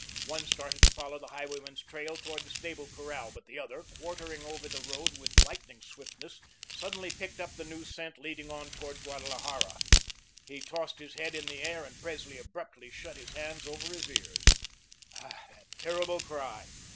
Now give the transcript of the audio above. One started to follow the highwayman's trail towards the stable corral, but the other, quartering over the road with lightning swiftness, suddenly picked up the new scent leading on towards Guadalajara. He tossed his head in the air, and Presley abruptly shut his hands over his ears. Ah, that terrible cry!